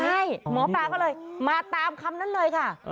ใช่หมอปลาก็เลยมาตามคำนั้นเลยค่ะ